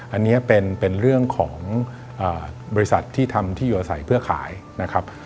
อันนี้เป็นเรื่องของบริษัทที่ทำที่อยู่อาศัยเพื่อขายนะครับ